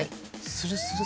スルスル